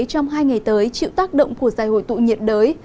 trong hai ngày tới chịu tác động của giai hội tụ nhiệt đới